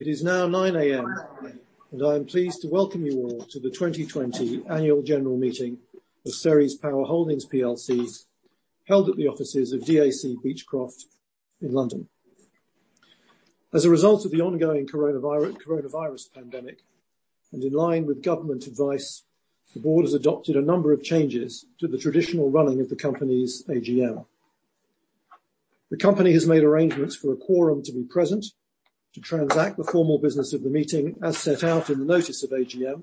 It is now 9:00 A.M. I am pleased to welcome you all to the 2020 annual general meeting of Ceres Power Holdings plc, held at the offices of DAC Beachcroft in London. As a result of the ongoing coronavirus pandemic and in line with government advice, the Board has adopted a number of changes to the traditional running of the company's AGM. The company has made arrangements for a quorum to be present to transact the formal business of the meeting as set out in the notice of AGM,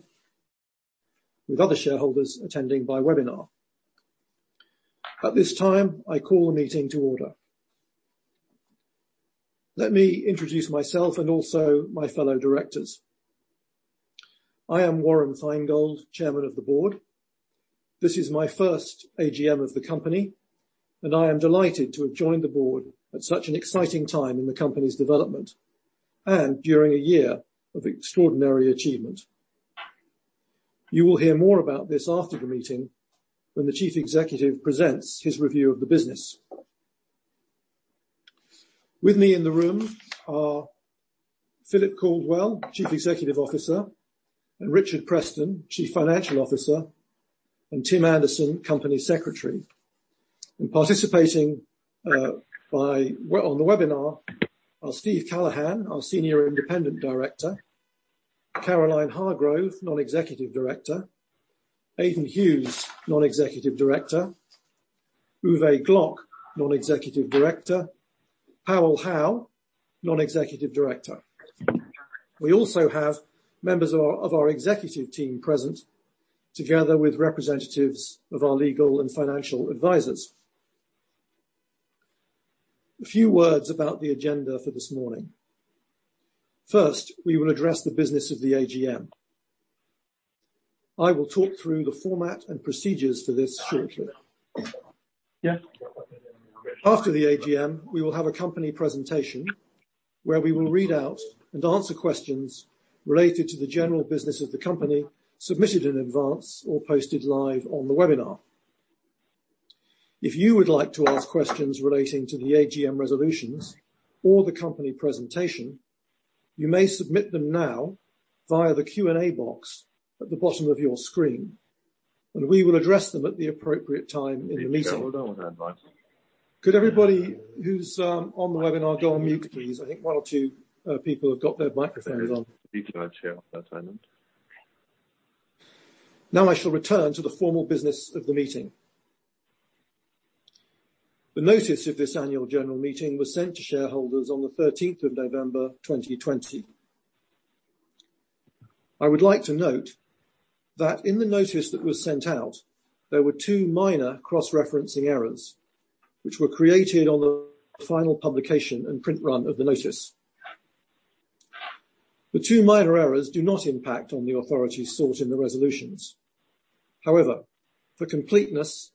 with other shareholders attending by webinar. At this time, I call the meeting to order. Let me introduce myself and also my fellow directors. I am Warren Finegold, Chairman of the Board. This is my first AGM of the company, and I am delighted to have joined the board at such an exciting time in the company's development and during a year of extraordinary achievement. You will hear more about this after the meeting when the chief executive presents his review of the business. With me in the room are Philip Caldwell, Chief Executive Officer, Richard Preston, Chief Financial Officer, and Tim Anderson, Company Secretary. Participating on the webinar are Steve Callaghan, our Senior Independent Director, Caroline Hargrove, Non-Executive Director, Aidan Hughes, Non-Executive Director, Uwe Glock, Non-Executive Director, Paul Hannon, Non-Executive Director. We also have members of our executive team present, together with representatives of our legal and financial advisors. A few words about the agenda for this morning. First, we will address the business of the AGM. I will talk through the format and procedures for this shortly. After the AGM, we will have a company presentation where we will read out and answer questions related to the general business of the company, submitted in advance or posted live on the webinar. If you would like to ask questions relating to the AGM resolutions or the company presentation, you may submit them now via the Q&A box at the bottom of your screen, and we will address them at the appropriate time in the meeting. Could everybody who's on the webinar go on mute, please? I think one or two people have got their microphones on. Now I shall return to the formal business of the meeting. The notice of this annual general meeting was sent to shareholders on the 13th of November 2020. I would like to note that in the notice that was sent out, there were two minor cross-referencing errors, which were created on the final publication and print run of the notice. The two minor errors do not impact on the authority sought in the resolutions. However, for completeness,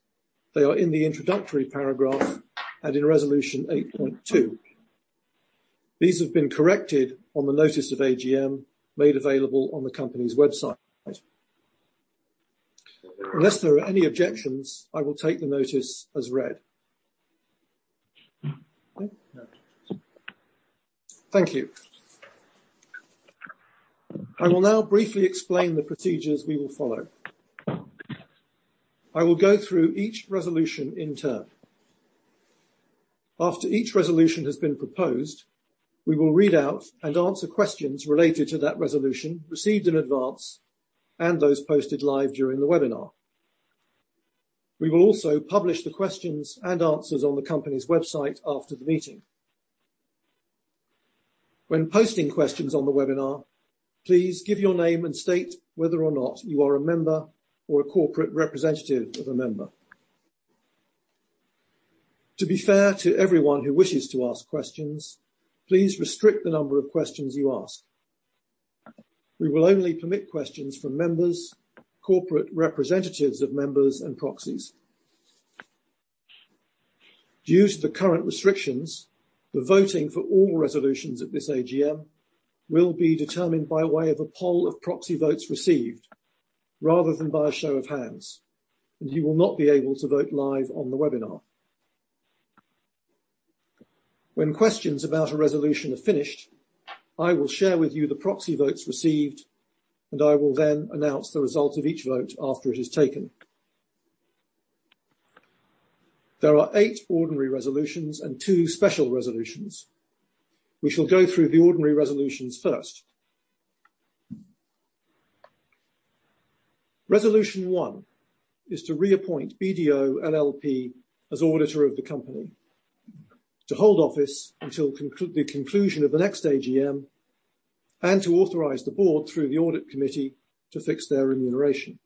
they are in the introductory paragraph and in resolution 8.2. These have been corrected on the notice of AGM made available on the company's website. Unless there are any objections, I will take the notice as read. Thank you. I will now briefly explain the procedures we will follow. I will go through each resolution in turn. After each resolution has been proposed, we will read out and answer questions related to that resolution received in advance and those posted live during the webinar. We will also publish the questions and answers on the company's website after the meeting. When posting questions on the webinar, please give your name and state whether or not you are a member or a corporate representative of a member. To be fair to everyone who wishes to ask questions, please restrict the number of questions you ask. We will only permit questions from members, corporate representatives of members, and proxies. Due to the current restrictions, the voting for all resolutions at this AGM will be determined by way of a poll of proxy votes received rather than by a show of hands, and you will not be able to vote live on the webinar. When questions about a resolution are finished, I will share with you the proxy votes received, and I will then announce the result of each vote after it is taken. There are eight ordinary resolutions and two special resolutions. We shall go through the ordinary resolutions first. Resolution one is to reappoint BDO LLP as auditor of the company, to hold office until the conclusion of the next AGM, and to authorize the board, through the audit committee, to fix their remuneration.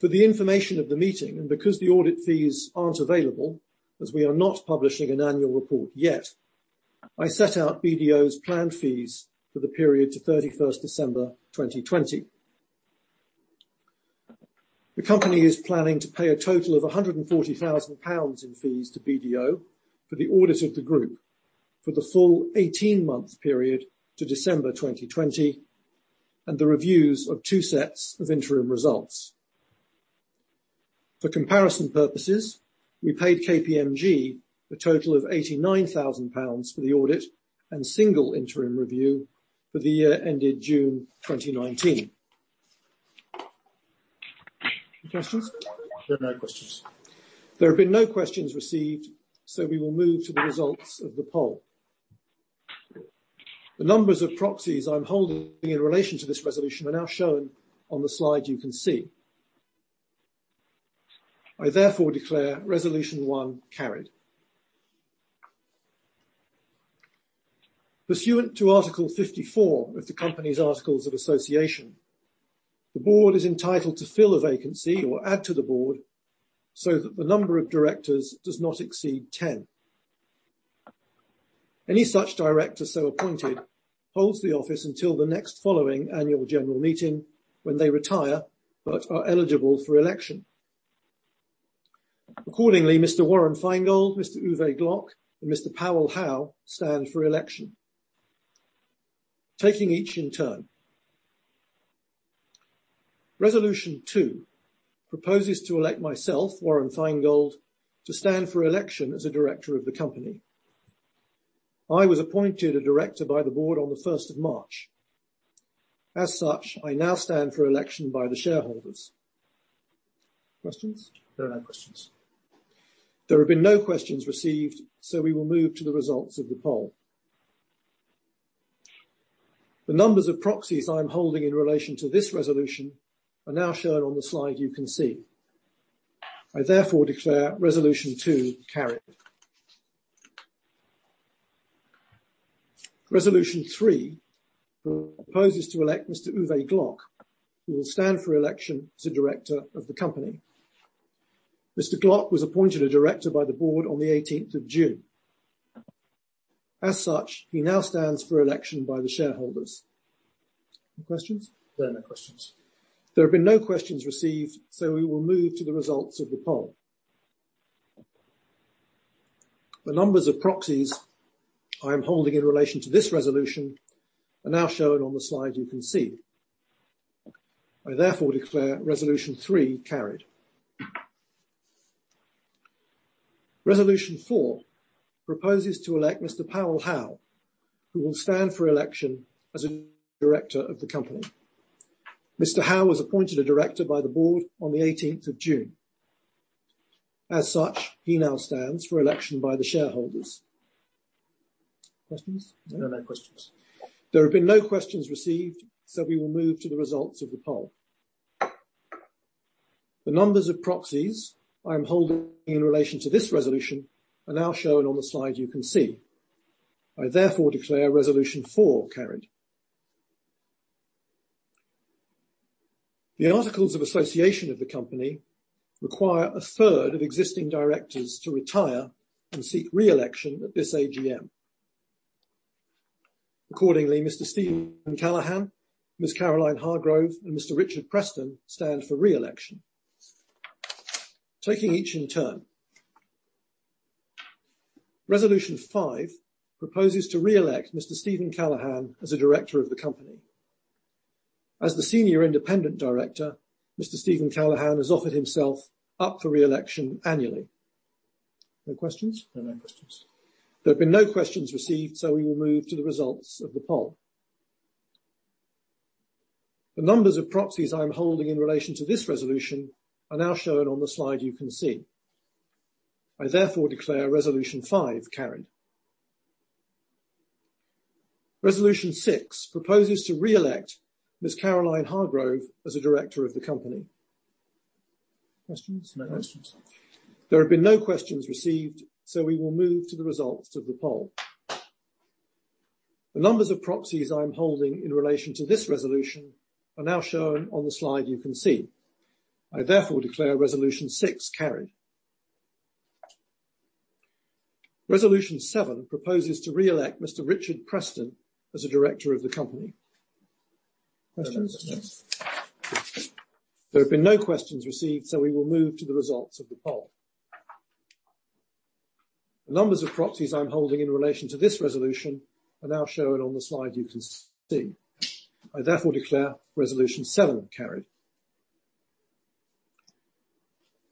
For the information of the meeting, and because the audit fees aren't available as we are not publishing an annual report yet, I set out BDO's planned fees for the period to 31st December 2020. The company is planning to pay a total of 140,000 pounds in fees to BDO for the audit of the group for the full 18-month period to December 2020 and the reviews of two sets of interim results. For comparison purposes, we paid KPMG a total of 89,000 pounds for the audit and single interim review for the year ended June 2019. Any questions? There are no questions. There have been no questions received. We will move to the results of the poll. The numbers of proxies I am holding in relation to this resolution are now shown on the slide you can see. I therefore declare resolution one carried. Pursuant to Article 54 of the company's articles of association, the board is entitled to fill a vacancy or add to the board so that the number of directors does not exceed 10. Any such director so appointed holds the office until the next following annual general meeting when they retire, but are eligible for election. Accordingly, Mr. Warren Finegold, Mr. Uwe Glock, and Mr. Paul Hannon stand for election. Taking each in turn. Resolution two proposes to elect myself, Warren Finegold, to stand for election as a director of the company. I was appointed a director by the board on the 1st of March. As such, I now stand for election by the shareholders. Questions? There are no questions. There have been no questions received. We will move to the results of the poll. The numbers of proxies I am holding in relation to this resolution are now shown on the slide you can see. I therefore declare resolution two carried. Resolution three proposes to elect Mr. Uwe Glock, who will stand for election as a director of the company. The articles of association of the company require a third of existing directors to retire and seek re-election at this AGM. Accordingly, Mr. Stephen Callaghan, Ms. Caroline Hargrove, and Mr. Richard Preston stand for re-election. Taking each in turn. Resolution five proposes to re-elect Mr. Stephen Callaghan as a director of the company. As the Senior Independent Director, Mr. Stephen Callaghan has offered himself up for re-election annually. No questions? There are no questions. There have been no questions received. We will move to the results of the poll. The numbers of proxies I am holding in relation to this resolution are now shown on the slide you can see. I therefore declare resolution five carried. Resolution six proposes to re-elect Ms. Caroline Hargrove as a director of the company. Questions? No questions. There have been no questions received. We will move to the results of the poll. The numbers of proxies I am holding in relation to this resolution are now shown on the slide you can see. I therefore declare resolution six carried. Resolution seven proposes to re-elect Mr. Richard Preston as a director of the company. Questions? There are no questions. There have been no questions received, so we will move to the results of the poll. The numbers of proxies I am holding in relation to this resolution are now shown on the slide you can see. I therefore declare resolution seven carried.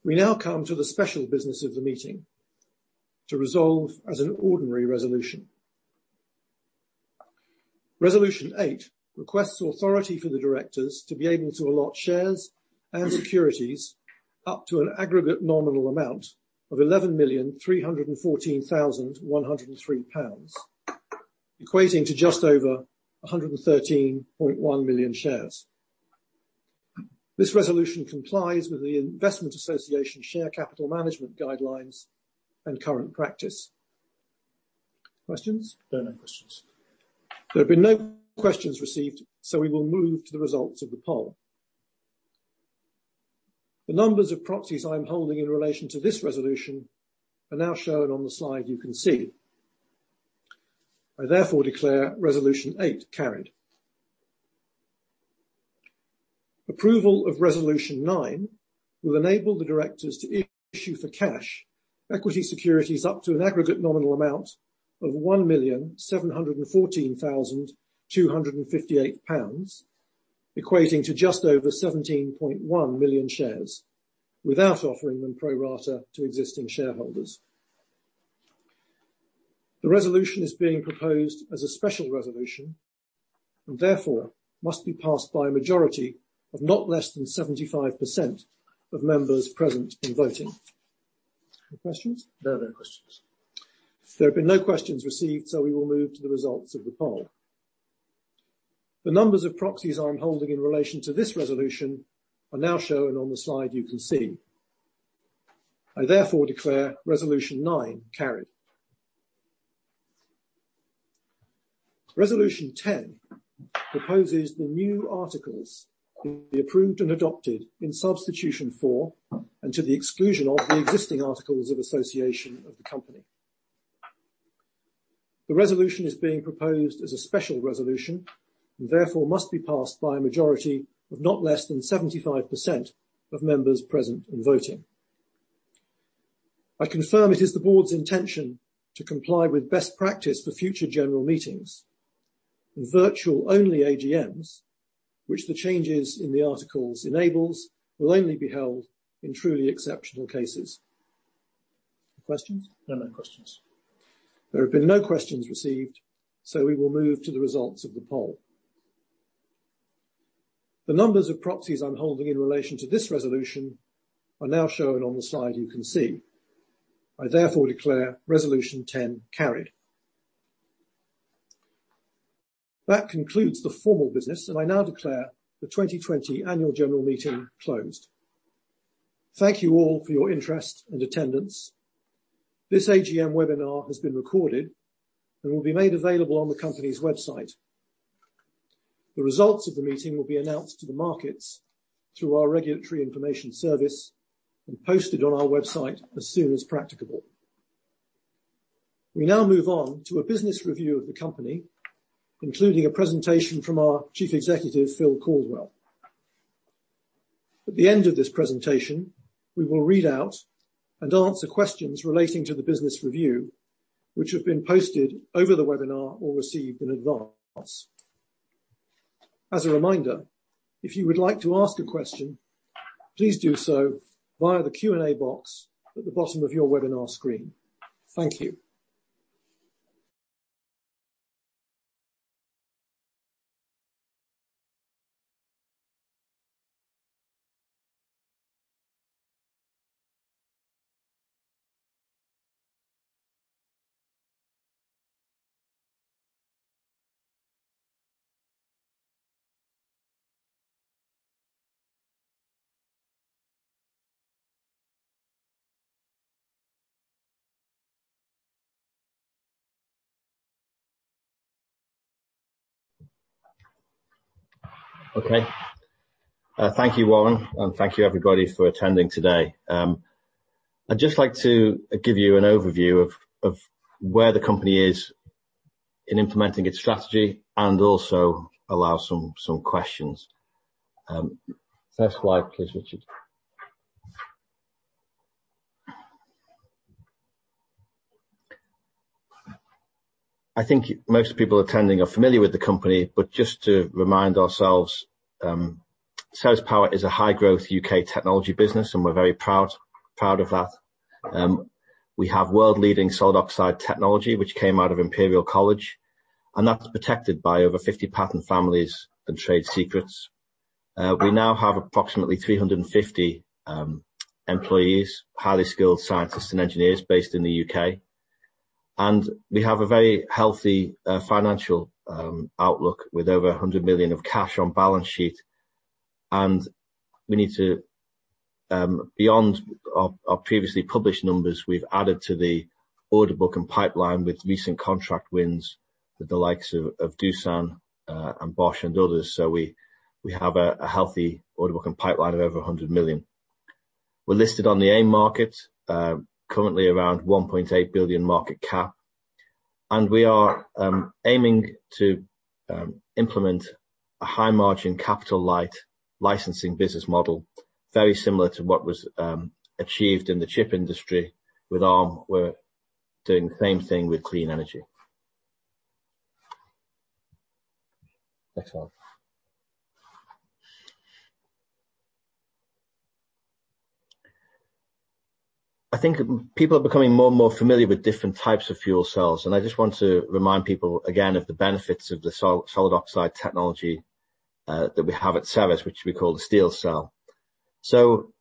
We now come to the special business of the meeting to resolve as an ordinary resolution. Resolution eight requests authority for the directors to be able to allot shares and securities up to an aggregate nominal amount of 11,314,103 pounds, equating to just over 113.1 million shares. This resolution complies with The Investment Association share capital management guidelines and current practice. Questions? There are no questions. There have been no questions received, so we will move to the results of the poll. The numbers of proxies I am holding in relation to this resolution are now shown on the slide you can see. I therefore declare resolution eight carried. Approval of resolution nine will enable the directors to issue for cash equity securities up to an aggregate nominal amount of £1,714,258, equating to just over 17.1 million shares, without offering them pro rata to existing shareholders. The resolution is being proposed as a special resolution, and therefore must be passed by a majority of not less than 75% of members present and voting. Any questions? No other questions. There have been no questions received, so we will move to the results of the poll. The numbers of proxies I am holding in relation to this resolution are now shown on the slide you can see. I therefore declare resolution nine carried. Resolution 10 proposes the new articles to be approved and adopted in substitution for, and to the exclusion of the existing articles of association of the company. The resolution is being proposed as a special resolution, and therefore must be passed by a majority of not less than 75% of members present and voting. I confirm it is the board's intention to comply with best practice for future general meetings, and virtual-only AGMs, which the changes in the articles enables, will only be held in truly exceptional cases. Questions? No other questions. There have been no questions received, so we will move to the results of the poll. The numbers of proxies I am holding in relation to this resolution are now shown on the slide you can see. I therefore declare resolution 10 carried. That concludes the formal business, and I now declare the 2020 Annual General Meeting closed. Thank you all for your interest and attendance. This AGM webinar has been recorded and will be made available on the company's website. The results of the meeting will be announced to the markets through our regulatory information service and posted on our website as soon as practicable. We now move on to a business review of the company, including a presentation from our Chief Executive, Phil Caldwell. At the end of this presentation, we will read out and answer questions relating to the business review, which have been posted over the webinar or received in advance. As a reminder, if you would like to ask a question, please do so via the Q&A box at the bottom of your webinar screen. Thank you. Okay. Thank you, Warren, and thank you everybody for attending today. I'd just like to give you an overview of where the company is in implementing its strategy and also allow some questions. First slide, please, Richard. I think most people attending are familiar with the company, but just to remind ourselves, Ceres Power is a high-growth U.K. technology business, we're very proud of that. We have world-leading solid oxide technology, which came out of Imperial College, that's protected by over 50 patent families and trade secrets. We now have approximately 350 employees, highly skilled scientists and engineers based in the U.K. We have a very healthy financial outlook with over 100 million of cash on balance sheet. Beyond our previously published numbers, we've added to the order book and pipeline with recent contract wins with the likes of Doosan and Bosch and others. We have a healthy order book and pipeline of over 100 million. We're listed on the AIM market, currently around 1.8 billion market cap. We are aiming to implement a high-margin, capital-light licensing business model, very similar to what was achieved in the chip industry with Arm. We're doing the same thing with clean energy. Next slide. I think people are becoming more and more familiar with different types of fuel cells, and I just want to remind people again of the benefits of the solid oxide technology that we have at Ceres, which we call the SteelCell.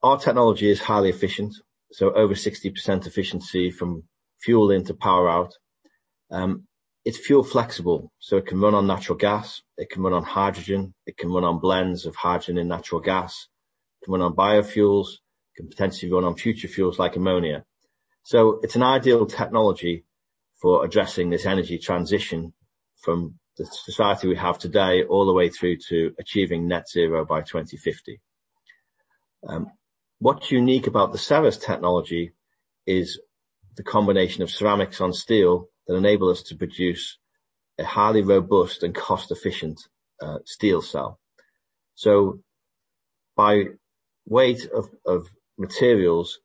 Our technology is highly efficient, so over 60% efficiency from fuel into power out. It's fuel flexible, so it can run on natural gas, it can run on hydrogen, it can run on blends of hydrogen and natural gas. It can run on biofuels. It can potentially run on future fuels like ammonia. It's an ideal technology for addressing this energy transition from the society we have today all the way through to achieving net zero by 2050. What's unique about the Ceres technology is the combination of ceramics on steel that enable us to produce a highly robust and cost-efficient SteelCell. By weight of materials,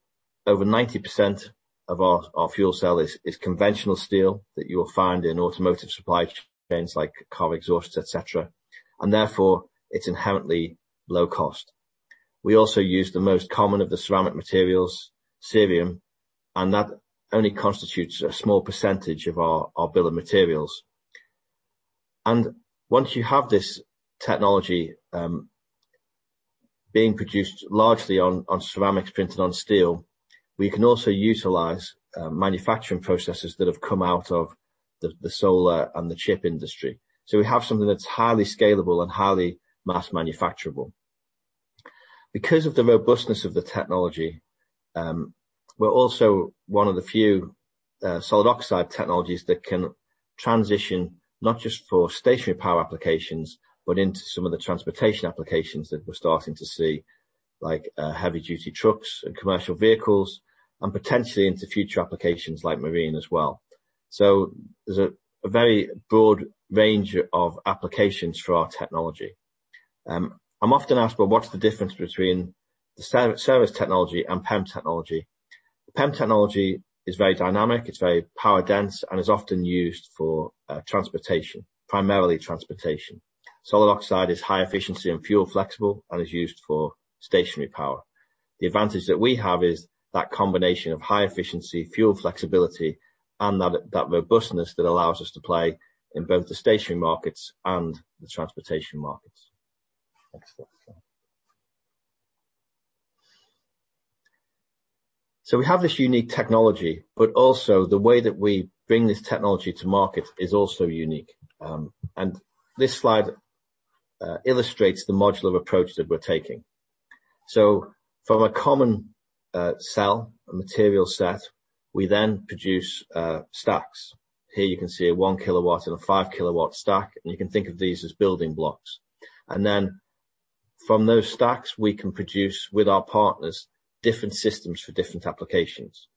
over 90% of our fuel cell is conventional steel that you will find in automotive supply chains like car exhausts, et cetera. Therefore, it's inherently low cost. We also use the most common of the ceramic materials, cerium, and that only constitutes a small percentage of our bill of materials. Once you have this technology being produced largely on ceramic, printed on steel, we can also utilize manufacturing processes that have come out of the solar and the chip industry. We have something that's highly scalable and highly mass-manufacturable. Because of the robustness of the technology, we're also one of the few solid oxide technologies that can transition not just for stationary power applications, but into some of the transportation applications that we're starting to see, like heavy duty trucks and commercial vehicles, and potentially into future applications like marine as well. There's a very broad range of applications for our technology. I'm often asked about what's the difference between the Ceres technology and PEM technology. PEM technology is very dynamic, it's very power dense, and is often used for transportation, primarily transportation. Solid oxide is high efficiency and fuel flexible and is used for stationary power. The advantage that we have is that combination of high efficiency, fuel flexibility, and that robustness that allows us to play in both the stationary markets and the transportation markets. Next slide. We have this unique technology, but also the way that we bring this technology to market is also unique. This slide illustrates the modular approach that we're taking. From a common cell, a material set, we then produce stacks. Here you can see a 1 kW and a 5 kW stack, and you can think of these as building blocks. Then from those stacks, we can produce with our partners, different systems for different applications.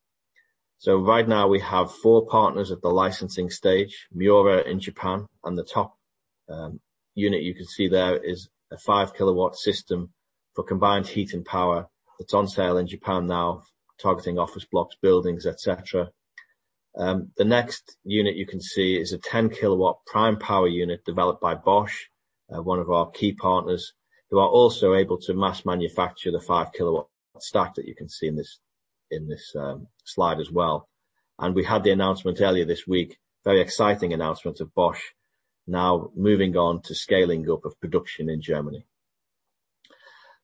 Right now, we have four partners at the licensing stage, Miura in Japan, and the top unit you can see there is a 5 kW system for combined heat and power that's on sale in Japan now, targeting office blocks, buildings, et cetera. The next unit you can see is a 10 kW prime power unit developed by Bosch, one of our key partners, who are also able to mass manufacture the 5 kW stack that you can see in this slide as well. We had the announcement earlier this week, very exciting announcement of Bosch now moving on to scaling up of production in Germany.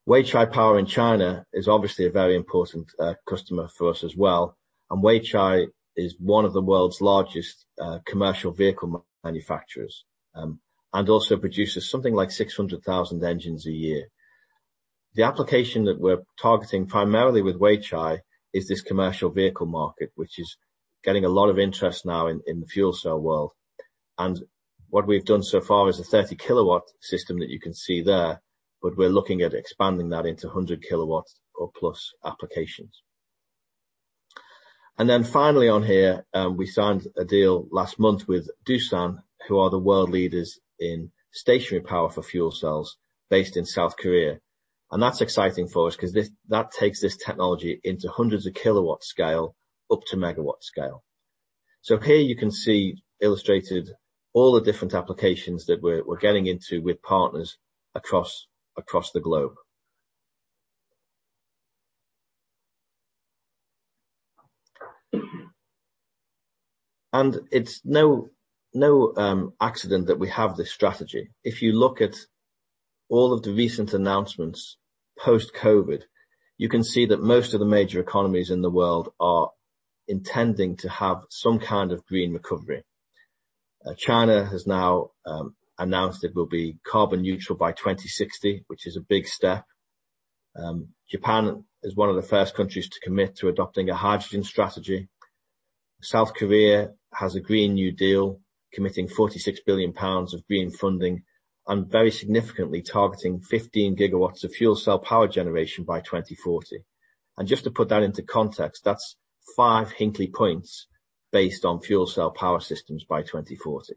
Weichai Power in China is obviously a very important customer for us as well. Weichai is one of the world's largest commercial vehicle manufacturers, and also produces something like 600,000 engines a year. The application that we're targeting primarily with Weichai is this commercial vehicle market, which is getting a lot of interest now in the fuel cell world. What we've done so far is a 30 kW system that you can see there, but we're looking at expanding that into 100 kW or plus applications. Finally on here, we signed a deal last month with Doosan, who are the world leaders in stationary power for fuel cells based in South Korea. That's exciting for us because that takes this technology into hundreds of kilowatt scale up to megawatt scale. Here you can see illustrated all the different applications that we're getting into with partners across the globe. It's no accident that we have this strategy. If you look at all of the recent announcements post-COVID, you can see that most of the major economies in the world are intending to have some kind of green recovery. China has now announced it will be carbon neutral by 2060, which is a big step. Japan is one of the first countries to commit to adopting a hydrogen strategy. South Korea has a Green New Deal, committing 46 billion pounds of green funding and very significantly targeting 15 gigawatts of fuel cell power generation by 2040. Just to put that into context, that's five Hinkley Points based on fuel cell power systems by 2040.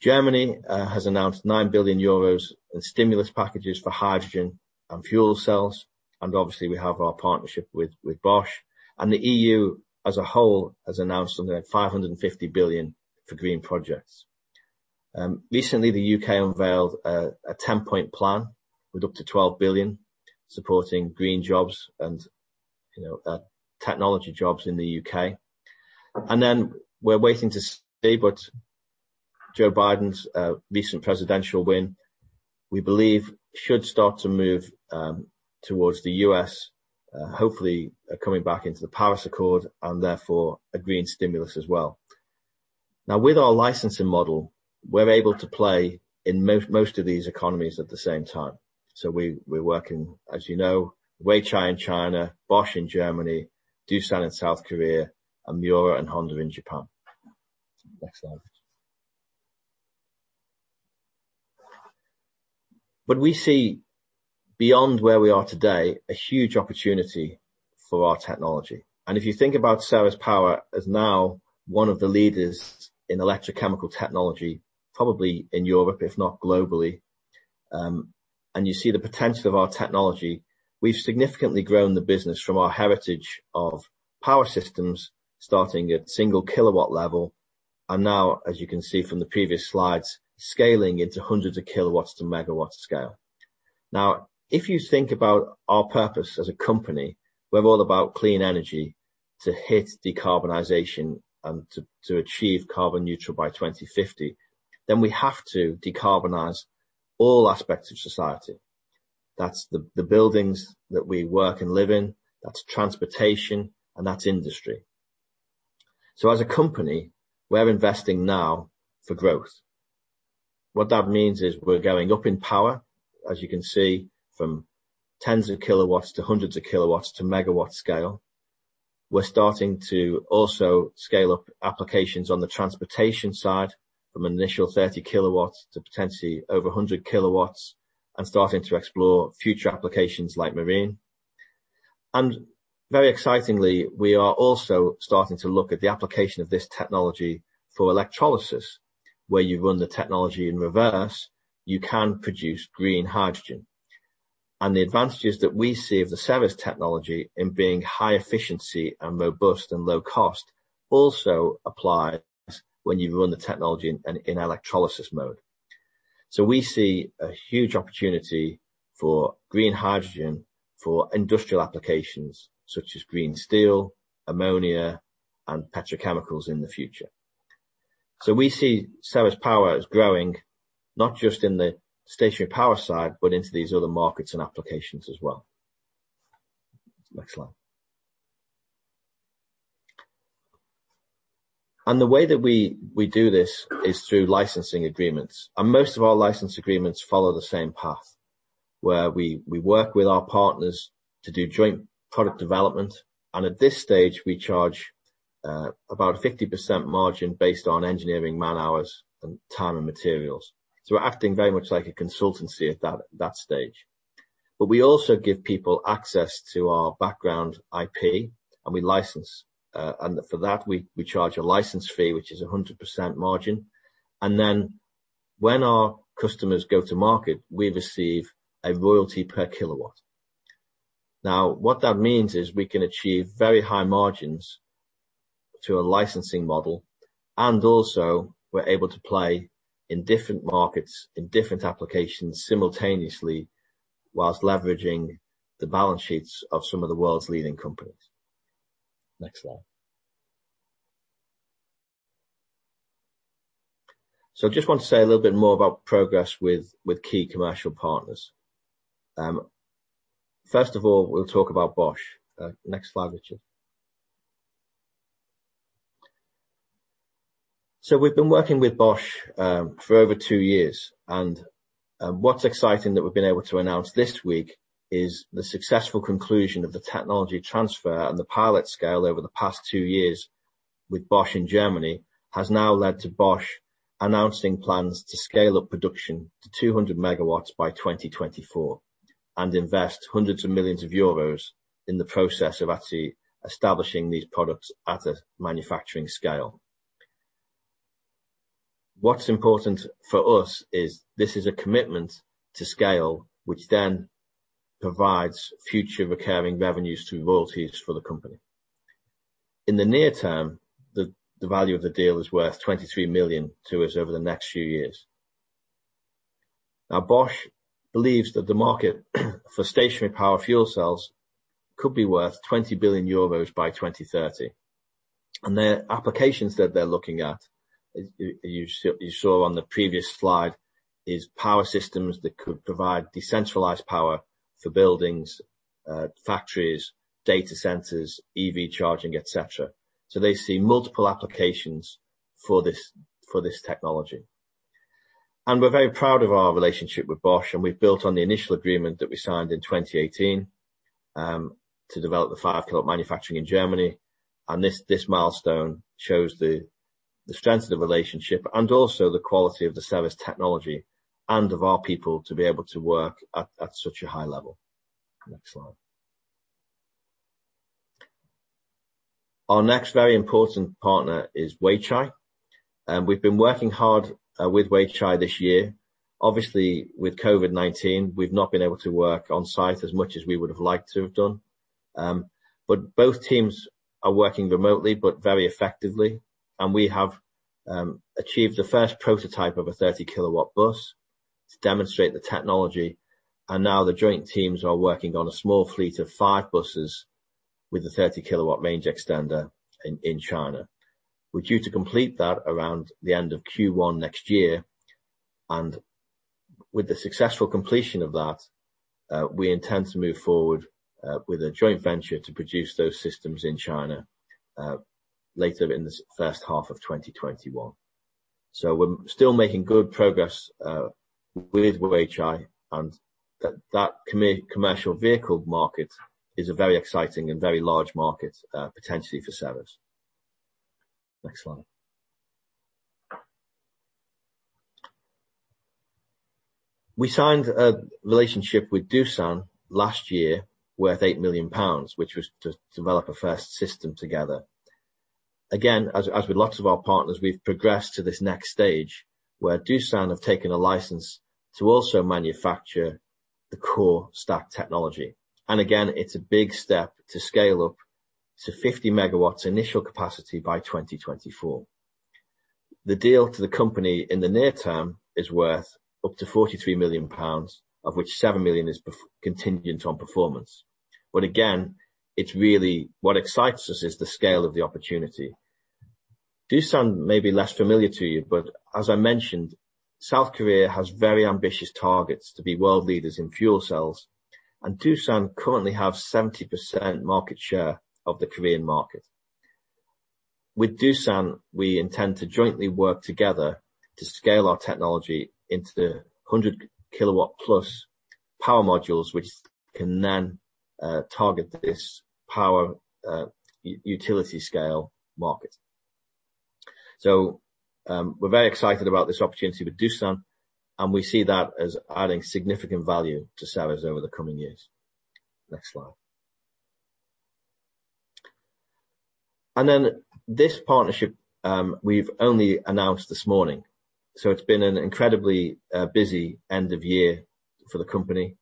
Germany has announced 9 billion euros in stimulus packages for hydrogen and fuel cells, obviously we have our partnership with Bosch. The EU as a whole has announced something like 550 billion for green projects. Recently, the U.K. unveiled a 10-point plan with up to 12 billion supporting green jobs and technology jobs in the U.K. We're waiting to see what Joe Biden's recent presidential win, we believe should start to move towards the U.S., hopefully coming back into the Paris Agreement and therefore a green stimulus as well. Now with our licensing model, we're able to play in most of these economies at the same time. We're working, as you know, Weichai in China, Bosch in Germany, Doosan in South Korea, and Miura and Honda in Japan. Next slide. We see beyond where we are today, a huge opportunity for our technology. If you think about Ceres Power as now one of the leaders in electrochemical technology, probably in Europe, if not globally, and you see the potential of our technology, we've significantly grown the business from our heritage of power systems starting at single kilowatt level. As you can see from the previous slides, scaling into hundreds of kilowatts to megawatts scale. If you think about our purpose as a company, we're all about clean energy to hit decarbonization and to achieve carbon neutral by 2050, then we have to decarbonize all aspects of society. That's the buildings that we work and live in, that's transportation, and that's industry. As a company, we're investing now for growth. What that means is we're going up in power, as you can see, from tens of kilowatts to hundreds of kilowatts to megawatt scale. We're starting to also scale up applications on the transportation side from an initial 30 kW to potentially over 100 kW and starting to explore future applications like marine. Very excitingly, we are also starting to look at the application of this technology for electrolysis, where you run the technology in reverse, you can produce green hydrogen. The advantages that we see of the Ceres technology in being high efficiency and robust and low cost also applies when you run the technology in electrolysis mode. We see a huge opportunity for green hydrogen for industrial applications such as green steel, ammonia, and petrochemicals in the future. We see Ceres Power as growing, not just in the stationary power side, but into these other markets and applications as well. Next slide. The way that we do this is through licensing agreements, and most of our license agreements follow the same path, where we work with our partners to do joint product development. At this stage, we charge about 50% margin based on engineering man hours and time and materials. We're acting very much like a consultancy at that stage. We also give people access to our background IP, and we license. For that, we charge a license fee, which is 100% margin. When our customers go to market, we receive a royalty per kilowatt. Now, what that means is we can achieve very high margins to a licensing model, and also we're able to play in different markets, in different applications simultaneously whilst leveraging the balance sheets of some of the world's leading companies. Next slide. Just want to say a little bit more about progress with key commercial partners. First of all, we'll talk about Bosch. Next slide, Richard. We've been working with Bosch for over two years, and what's exciting that we've been able to announce this week is the successful conclusion of the technology transfer and the pilot scale over the past two years with Bosch in Germany, has now led to Bosch announcing plans to scale up production to 200 MW by 2024 and invest hundreds of millions of EUR in the process of actually establishing these products at a manufacturing scale. What's important for us is this is a commitment to scale, which then provides future recurring revenues through royalties for the company. In the near term, the value of the deal is worth 23 million to us over the next few years. Bosch believes that the market for stationary power fuel cells could be worth 20 billion euros by 2030. The applications that they're looking at, you saw on the previous slide, is power systems that could provide decentralized power for buildings, factories, data centers, EV charging, et cetera. They see multiple applications for this technology. We're very proud of our relationship with Bosch, and we've built on the initial agreement that we signed in 2018, to develop the five kW manufacturing in Germany. This milestone shows the strength of the relationship and also the quality of the service technology and of our people to be able to work at such a high level. Next slide. Our next very important partner is Weichai. We've been working hard with Weichai this year. Obviously, with COVID-19, we've not been able to work on site as much as we would have liked to have done. Both teams are working remotely but very effectively, and we have achieved the first prototype of a 30 kW bus to demonstrate the technology. Now the joint teams are working on a small fleet of five buses with a 30 kW range extender in China. We're due to complete that around the end of Q1 next year. With the successful completion of that, we intend to move forward with a joint venture to produce those systems in China later in this first half of 2021. We're still making good progress with Weichai, and that commercial vehicle market is a very exciting and very large market potentially for sales. Next slide. We signed a relationship with Doosan last year worth 8 million pounds, which was to develop a first system together. As with lots of our partners, we've progressed to this next stage where Doosan have taken a license to also manufacture the core stack technology. Again, it's a big step to scale up to 50 MW initial capacity by 2024. The deal to the company in the near term is worth up to 43 million pounds, of which 7 million is contingent on performance. Again, what excites us is the scale of the opportunity. Doosan may be less familiar to you, but as I mentioned, South Korea has very ambitious targets to be world leaders in fuel cells, and Doosan currently have 70% market share of the Korean market. With Doosan, we intend to jointly work together to scale our technology into the 100 kW plus power modules, which can then target this power utility scale market. We're very excited about this opportunity with Doosan, and we see that as adding significant value to Ceres over the coming years. Next slide. This partnership, we've only announced this morning, so it's been an incredibly busy end of year for the company.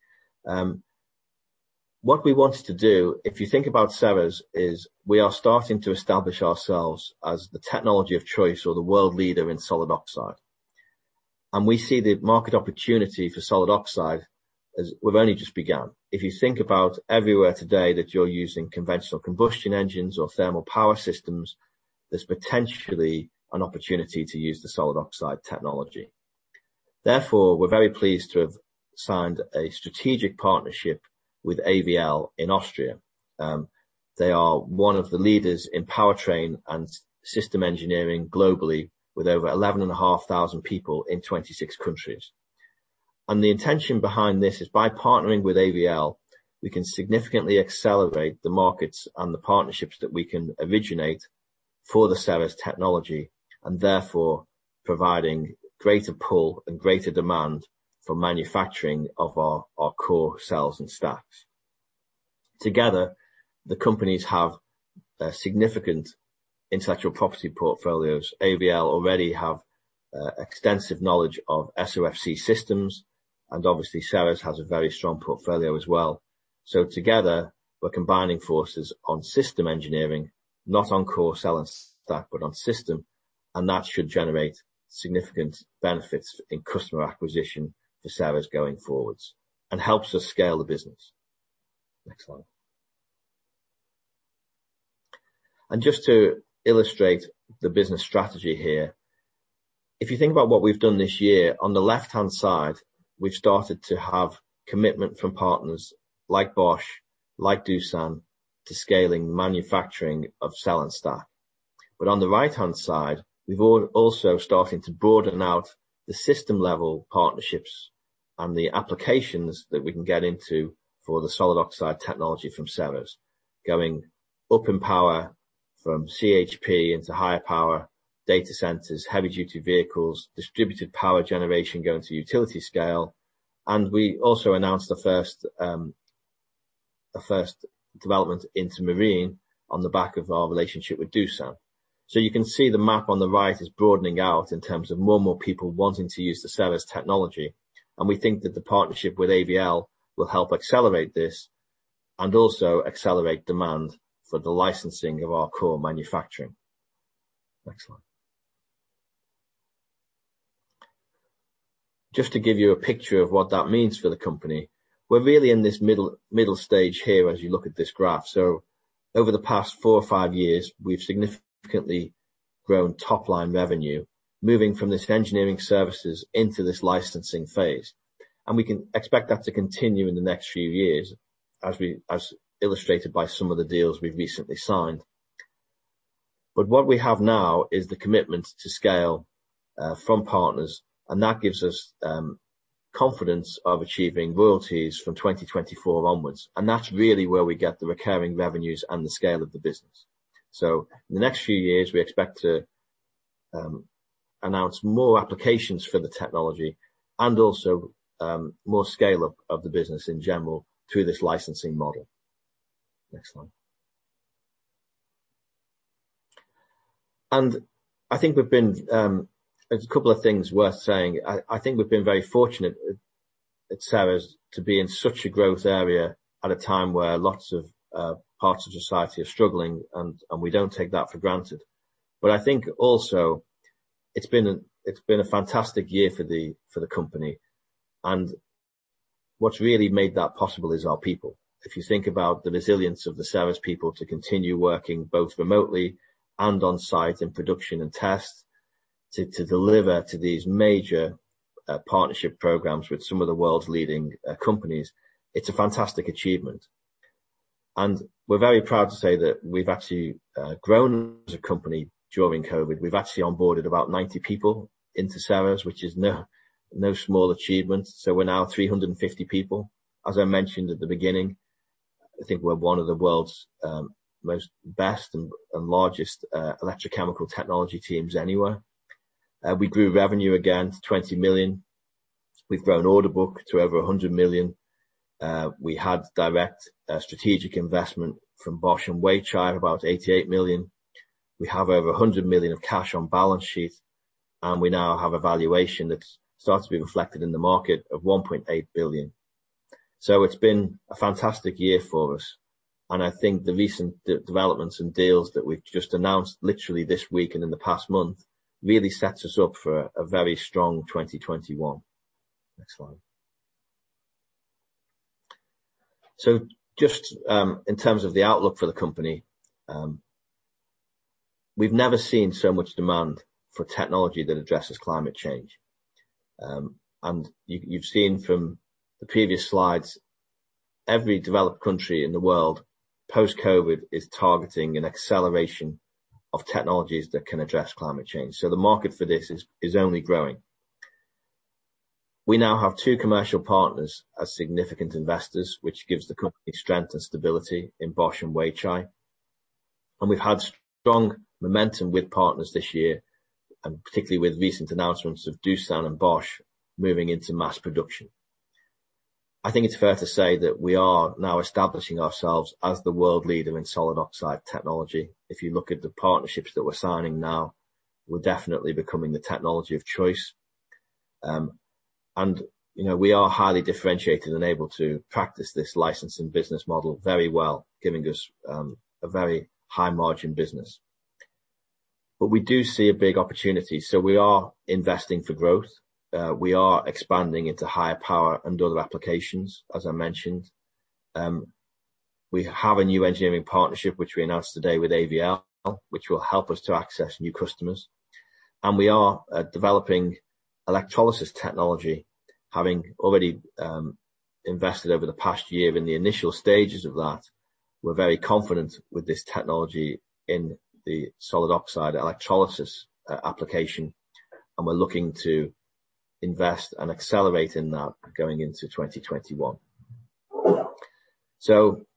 What we wanted to do, if you think about Ceres, is we are starting to establish ourselves as the technology of choice or the world leader in solid oxide. We see the market opportunity for solid oxide as we've only just begun. If you think about everywhere today that you're using conventional combustion engines or thermal power systems, there's potentially an opportunity to use the solid oxide technology. Therefore, we're very pleased to have signed a strategic partnership with AVL in Austria. They are one of the leaders in powertrain and system engineering globally with over 11,500 people in 26 countries. The intention behind this is by partnering with AVL, we can significantly accelerate the markets and the partnerships that we can originate for the Ceres Power technology, and therefore providing greater pull and greater demand for manufacturing of our core cells and stacks. Together, the companies have significant intellectual property portfolios. AVL already have extensive knowledge of SOFC systems, and obviously Ceres Power has a very strong portfolio as well. Together, we're combining forces on system engineering, not on core cell and stack, but on system, and that should generate significant benefits in customer acquisition for Ceres Power going forwards and helps us scale the business. Next slide. Just to illustrate the business strategy here. If you think about what we've done this year, on the left-hand side, we've started to have commitment from partners like Bosch, like Doosan, to scaling manufacturing of cell and stack. On the right-hand side, we've also starting to broaden out the system level partnerships and the applications that we can get into for the solid oxide technology from Ceres, going up in power from CHP into higher power data centers, heavy-duty vehicles, distributed power generation going to utility scale. We also announced the first development into marine on the back of our relationship with Doosan. You can see the map on the right is broadening out in terms of more people wanting to use the Ceres technology, and we think that the partnership with AVL will help accelerate this and also accelerate demand for the licensing of our core manufacturing. Next slide. Just to give you a picture of what that means for the company. We're really in this middle stage here as you look at this graph. Over the past four or five years, we've significantly grown top-line revenue, moving from this engineering services into this licensing phase. We can expect that to continue in the next few years as illustrated by some of the deals we've recently signed. What we have now is the commitment to scale from partners, and that gives us confidence of achieving royalties from 2024 onwards, and that's really where we get the recurring revenues and the scale of the business. In the next few years, we expect to announce more applications for the technology and also more scale-up of the business in general through this licensing model. Next slide. I think we've been a couple of things worth saying. I think we've been very fortunate at Ceres to be in such a growth area at a time where lots of parts of society are struggling. We don't take that for granted. I think also, it's been a fantastic year for the company. What's really made that possible is our people. If you think about the resilience of the Ceres people to continue working both remotely and on-site in production and test, to deliver to these major partnership programs with some of the world's leading companies, it's a fantastic achievement. We're very proud to say that we've actually grown as a company during COVID. We've actually onboarded about 90 people into Ceres, which is no small achievement. We're now 350 people. As I mentioned at the beginning, I think we're one of the world's most best and largest electrochemical technology teams anywhere. We grew revenue again to 20 million. We've grown order book to over 100 million. We had direct strategic investment from Bosch and Weichai about 88 million. We have over 100 million of cash on balance sheet. We now have a valuation that starts to be reflected in the market of 1.8 billion. It's been a fantastic year for us, and I think the recent developments and deals that we've just announced literally this week and in the past month really sets us up for a very strong 2021. Next slide. Just in terms of the outlook for the company, we've never seen so much demand for technology that addresses climate change. You've seen from the previous slides, every developed country in the world, post-COVID, is targeting an acceleration of technologies that can address climate change. The market for this is only growing. We now have two commercial partners as significant investors, which gives the company strength and stability in Bosch and Weichai. We've had strong momentum with partners this year, and particularly with recent announcements of Doosan and Bosch moving into mass production. I think it's fair to say that we are now establishing ourselves as the world leader in solid oxide technology. If you look at the partnerships that we're signing now, we're definitely becoming the technology of choice. We are highly differentiated and able to practice this licensing business model very well, giving us a very high margin business. We do see a big opportunity, so we are investing for growth. We are expanding into higher power and other applications, as I mentioned. We have a new engineering partnership, which we announced today with AVL, which will help us to access new customers. We are developing electrolysis technology, having already invested over the past year in the initial stages of that. We're very confident with this technology in the solid oxide electrolysis application, and we're looking to invest and accelerate in that going into 2021.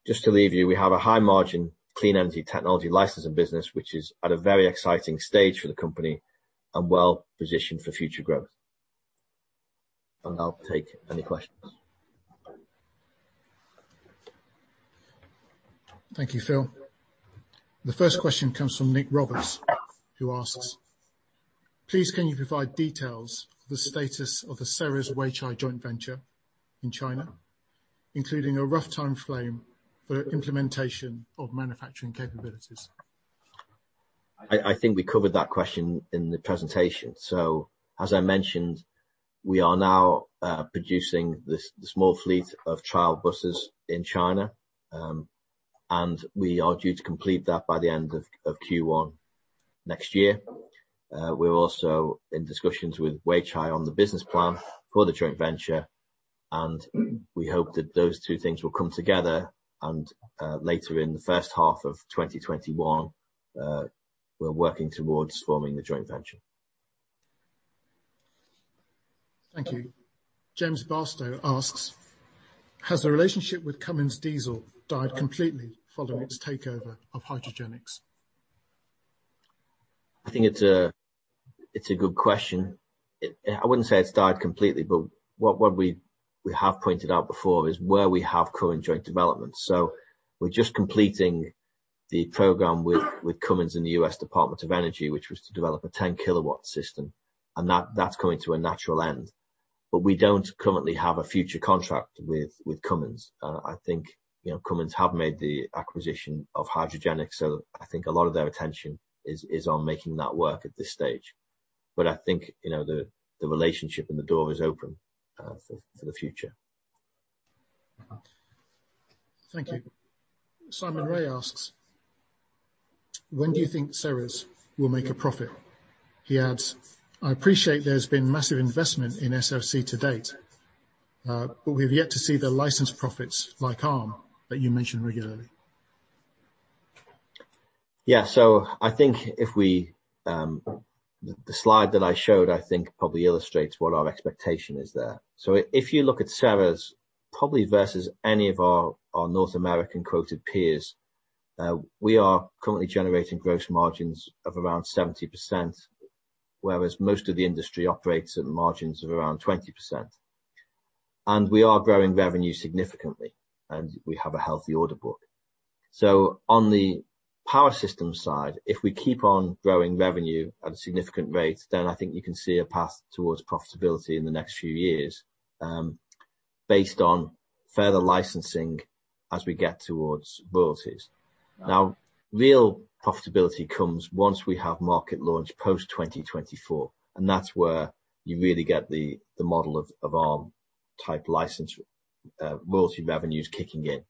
Just to leave you, we have a high margin, clean energy technology licensing business, which is at a very exciting stage for the company and well-positioned for future growth. I'll take any questions. Thank you, Phil. The first question comes from Nick Roberts, who asks, "Please can you provide details of the status of the Ceres Weichai joint venture in China, including a rough time frame for implementation of manufacturing capabilities? I think we covered that question in the presentation. As I mentioned, we are now producing the small fleet of trial buses in China, and we are due to complete that by the end of Q1 next year. We're also in discussions with Weichai on the business plan for the joint venture, and we hope that those two things will come together, and later in the first half of 2021, we're working towards forming the joint venture. Thank you. James Barstow asks, "Has the relationship with Cummins Diesel died completely following its takeover of Hydrogenics? I think it's a good question. I wouldn't say it's died completely, but what we have pointed out before is where we have current joint developments. We're just completing the program with Cummins in the U.S. Department of Energy, which was to develop a 10 kW system, and that's coming to a natural end. We don't currently have a future contract with Cummins. I think Cummins have made the acquisition of Hydrogenics, so I think a lot of their attention is on making that work at this stage. I think the relationship and the door is open for the future. Thank you. Simon Ray asks, "When do you think Ceres will make a profit?" He adds, "I appreciate there's been massive investment in SOFC to date, but we've yet to see the license profits like Arm that you mention regularly. Yeah. I think the slide that I showed, I think, probably illustrates what our expectation is there. If you look at Ceres, probably versus any of our North American quoted peers, we are currently generating gross margins of around 70%, whereas most of the industry operates at margins of around 20%. We are growing revenue significantly, and we have a healthy order book. On the power system side, if we keep on growing revenue at a significant rate, then I think you can see a path towards profitability in the next few years, based on further licensing as we get towards royalties. Now, real profitability comes once we have market launch post 2024, and that's where you really get the model of Arm type license royalty revenues kicking in.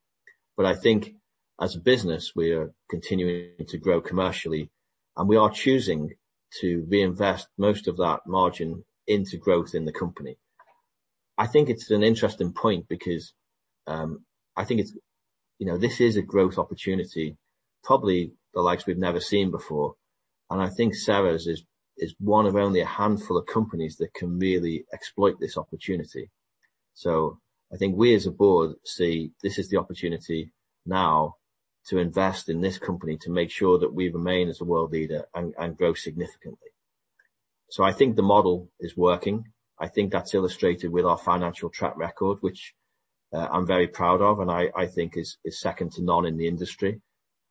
I think as a business, we are continuing to grow commercially, and we are choosing to reinvest most of that margin into growth in the company. I think it's an interesting point because I think this is a growth opportunity, probably the likes we've never seen before. I think Ceres is one of only a handful of companies that can really exploit this opportunity. I think we as a board see this is the opportunity now to invest in this company to make sure that we remain as a world leader and grow significantly. I think the model is working. I think that's illustrated with our financial track record, which I'm very proud of and I think is second to none in the industry.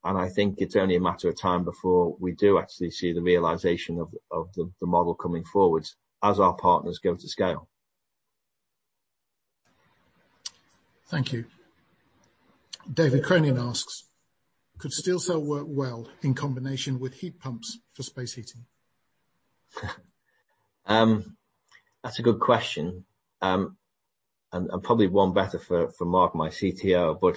I think it's only a matter of time before we do actually see the realization of the model coming forwards as our partners go to scale. Thank you. David Cronan asks, could SteelCell work well in combination with heat pumps for space heating? That's a good question. Probably one better for Mark, my CTO.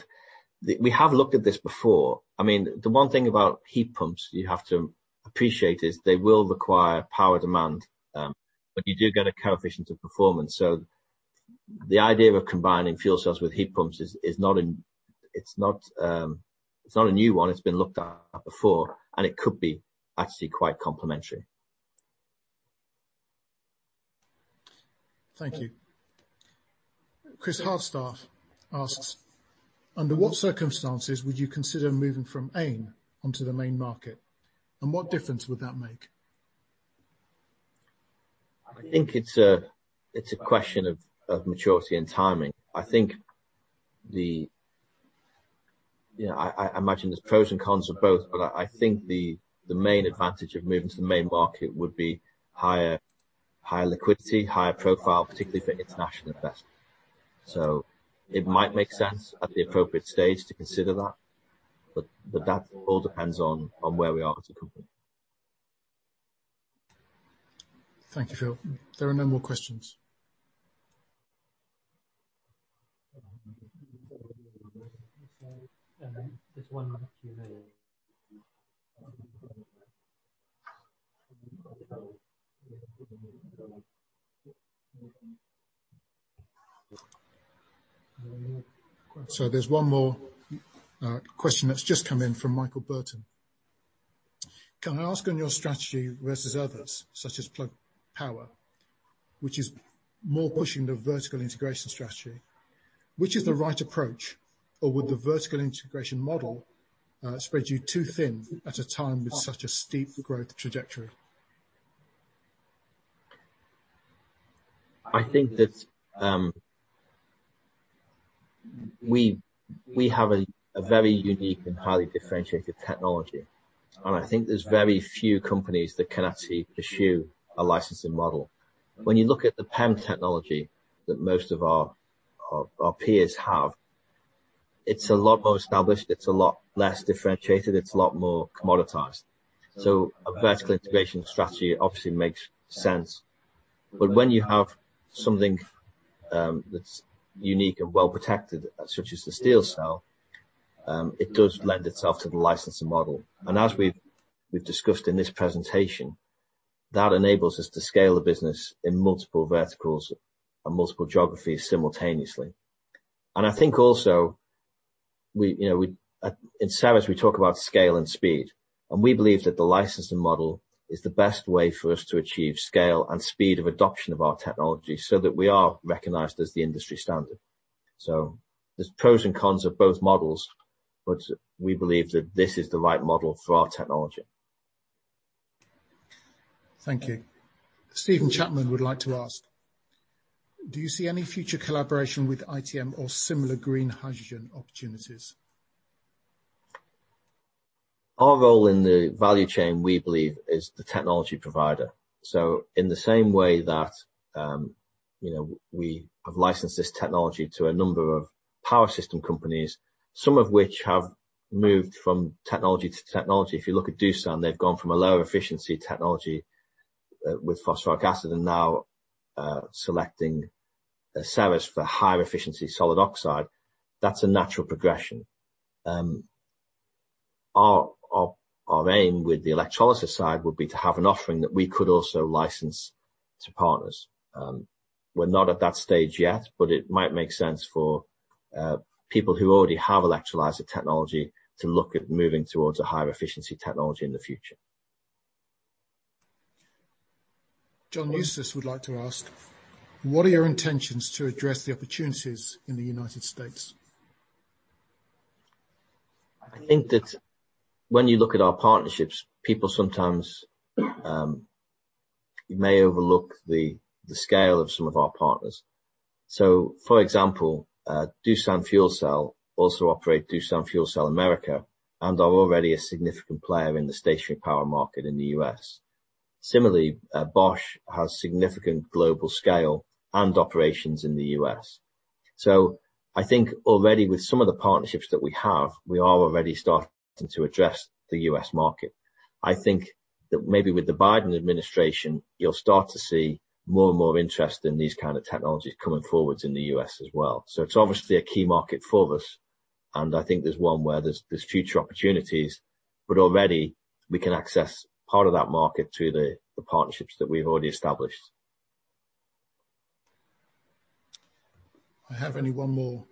We have looked at this before. The one thing about heat pumps you have to appreciate is they will require power demand, but you do get a coefficient of performance. The idea of combining fuel cells with heat pumps is not a new one. It could be actually quite complementary. Thank you. Chris Hardstaff asks, under what circumstances would you consider moving from AIM onto the main market, and what difference would that make? I think it's a question of maturity and timing. I imagine there's pros and cons of both, but I think the main advantage of moving to the Main Market would be higher liquidity, higher profile, particularly for international investment. It might make sense at the appropriate stage to consider that, but that all depends on where we are as a company. Thank you, Phil. There are no more questions. There's one on the Q&A. There's one more question that's just come in from Michael Burton. Can I ask on your strategy versus others such as Plug Power, which is more pushing the vertical integration strategy, which is the right approach or would the vertical integration model spread you too thin at a time with such a steep growth trajectory? I think that we have a very unique and highly differentiated technology, and I think there's very few companies that can actually pursue a licensing model. When you look at the PEM technology that most of our peers have, it's a lot more established, it's a lot less differentiated, it's a lot more commoditized. A vertical integration strategy obviously makes sense, but when you have something that's unique and well-protected such as the SteelCell, it does lend itself to the licensing model. As we've discussed in this presentation, that enables us to scale the business in multiple verticals and multiple geographies simultaneously. I think also, in sales we talk about scale and speed, and we believe that the licensing model is the best way for us to achieve scale and speed of adoption of our technology so that we are recognized as the industry standard. There's pros and cons of both models, but we believe that this is the right model for our technology. Thank you. Steven Chapman would like to ask, do you see any future collaboration with ITM or similar green hydrogen opportunities? Our role in the value chain, we believe, is the technology provider. In the same way that we have licensed this technology to a number of power system companies, some of which have moved from technology to technology. If you look at Doosan, they've gone from a lower efficiency technology with phosphoric acid and now selecting Ceres for higher efficiency solid oxide. That's a natural progression. Our aim with the electrolysis side would be to have an offering that we could also license to partners. We're not at that stage yet, but it might make sense for people who already have electrolyzer technology to look at moving towards a higher efficiency technology in the future. John Eustace would like to ask, what are your intentions to address the opportunities in the United States? I think that when you look at our partnerships, people sometimes may overlook the scale of some of our partners. For example, Doosan Fuel Cell also operate Doosan Fuel Cell America and are already a significant player in the stationary power market in the U.S. Similarly, Bosch has significant global scale and operations in the U.S. I think already with some of the partnerships that we have, we are already starting to address the U.S. market. I think that maybe with the Biden administration, you'll start to see more and more interest in these kind of technologies coming forwards in the U.S. as well. It's obviously a key market for us, and I think there's one where there's future opportunities, but already we can access part of that market through the partnerships that we've already established. I have only one more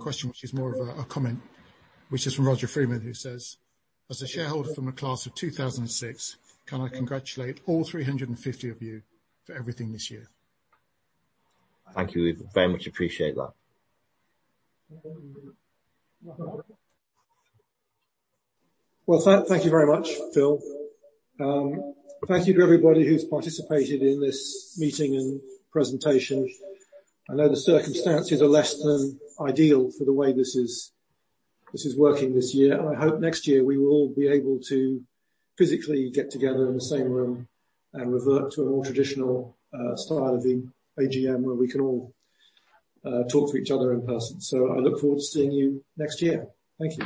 question which is more of a comment, which is from Roger Freeman who says, as a shareholder from the class of 2006, can I congratulate all 350 of you for everything this year. Thank you. We very much appreciate that. Well, thank you very much, Phil. Thank you to everybody who's participated in this meeting and presentation. I know the circumstances are less than ideal for the way this is working this year, and I hope next year we will all be able to physically get together in the same room and revert to a more traditional style of the AGM where we can all talk to each other in person. I look forward to seeing you next year. Thank you.